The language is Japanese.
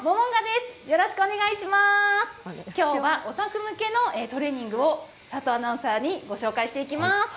きょうはオタク向けのトレーニングを、佐藤アナウンサーにご紹介していきます。